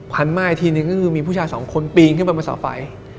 พันไม่ทีนึงก็มีผู้ชายสองคนปีนขึ้นมาเสาไฟ